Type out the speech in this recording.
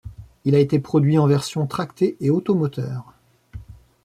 Il a été produit en version tracté et automoteur.